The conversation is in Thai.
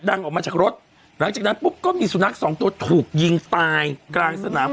ออกมาจากรถหลังจากนั้นปุ๊บก็มีสุนัขสองตัวถูกยิงตายกลางสนาม